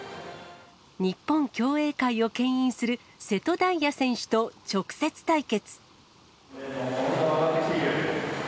日本競泳界をけん引する、瀬戸大也選手と直接対決。